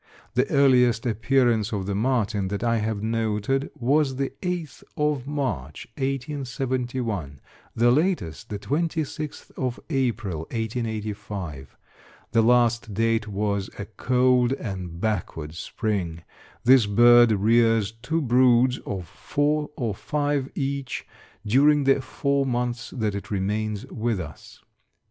The earliest appearance of the martin that I have noted was the 8th of March, 1871, the latest the 26th of April, 1885. The last date was a cold and backward spring. This bird rears two broods of four or five each during the four months that it remains with us.